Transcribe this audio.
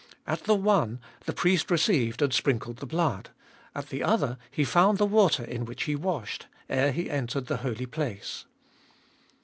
At the one, the priest received and sprinkled the blood ; at the other, he found the water in which he washed, ere he entered the Holy Place.